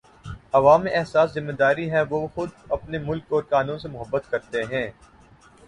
عوام میں احساس ذمہ داری ہے وہ خود اپنے ملک اور قانون سے محبت کرتے ہیں